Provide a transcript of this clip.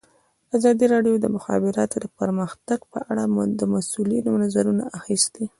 ازادي راډیو د د مخابراتو پرمختګ په اړه د مسؤلینو نظرونه اخیستي.